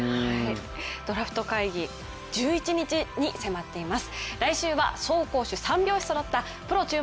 ドラフト会議１１日に迫っています。